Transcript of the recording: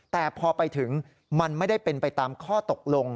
แต่พอไปถึงมันไม่ได้เป็นไปตามข้อตกลง